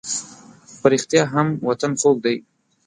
په رښتیا هم وطن خوږ دی.